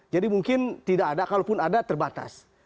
jadi mungkin tidak ada kalaupun ada terbatas